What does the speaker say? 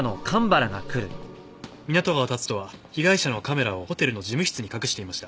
湊川龍登は被害者のカメラをホテルの事務室に隠していました。